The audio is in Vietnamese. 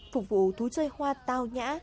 phục vụ thú chơi hoa tao nhã